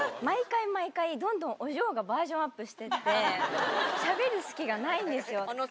毎回毎回どんどんお嬢がバージョンアップしてってしゃべる隙がないんですよ。